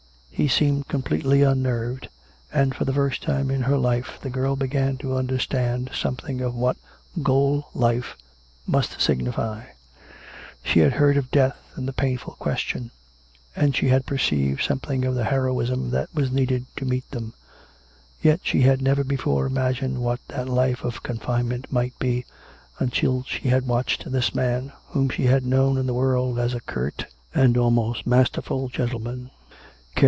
He seemed completely unnerved, and for the first time in her life the girl began to understand something of what gaol life must signify. She had heard of death and the painful Question; and she had perceived something of the heroism that was needed to meet them; yet she had never before imagined what that life of confinement might be, until she had watched this man, whom she had known in the world as a curt and almost masterful gentleman, care COME RACK! COME ROPE!